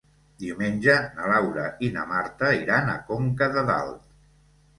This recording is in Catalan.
Diumenge na Laura i na Marta iran a Conca de Dalt.